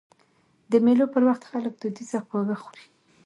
د مېلو پر وخت خلک دودیز خواږه خوري.